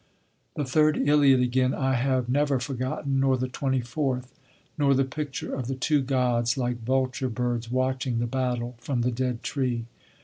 The third Iliad again I have never forgotten, nor the twenty fourth; nor the picture of the two gods, like vulture birds, watching the battle from the dead tree.